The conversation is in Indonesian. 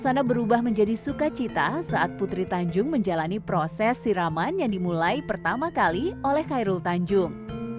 suasana berubah menjadi sukacita saat putri tanjung menjalani proses siraman yang dimulai pertama kali oleh khairul tanjung